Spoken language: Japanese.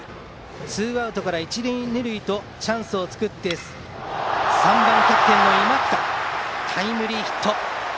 ツーアウトから一塁二塁とチャンスを作って３番、キャプテンの今北のタイムリーヒット。